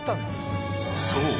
［そう。